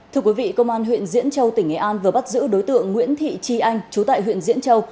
thưa quý vị công an huyện diễn châu tỉnh nghệ an vừa bắt giữ đối tượng nguyễn thị tri anh chú tại huyện diễn châu